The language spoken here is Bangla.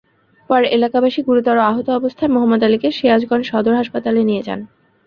পরে এলাকাবাসী গুরুতর আহত অবস্থায় মোহাম্মাদ আলীকে সিরাজগঞ্জ সদর হাসপাতালে নিয়ে যান।